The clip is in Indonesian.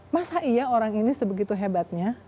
masa iya orang ini sebegitu hebatnya